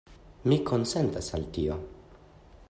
Mi konsentas al tio.